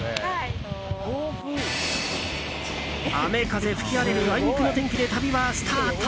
雨風吹き荒れるあいにくの天気で旅はスタート。